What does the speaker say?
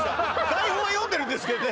台本は読んでるんですけどね